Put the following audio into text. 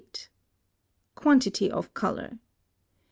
|QUANTITY of color.